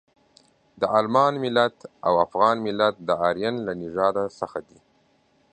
د المان ملت او افغان ملت د ارین له نژاده څخه دي.